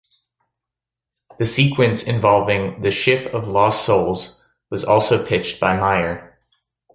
The sequence involving the "Ship of lost souls" was also pitched by Meyer.